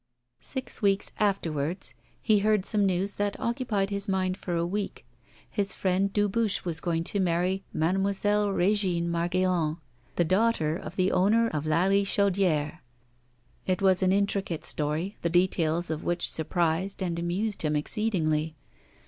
Six weeks afterwards he heard some news that occupied his mind for a week. His friend Dubuche was going to marry Mademoiselle Régine Margaillan, the daughter of the owner of La Richaudière. It was an intricate story, the details of which surprised and amused him exceedingly.